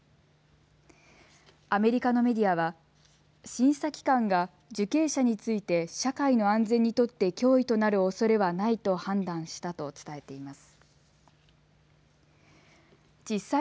アメリカのメディアは審査機関が受刑者について社会の安全にとって脅威となるおそれはないと判断したと伝えています。